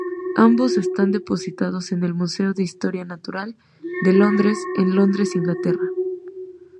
Ambos están depositados en el Museo de Historia Natural de Londres, en Londres, Inglaterra.